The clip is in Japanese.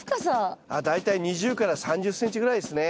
ああ大体２０から３０ｃｍぐらいですね。